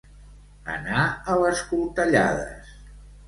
Anar a les coltellades.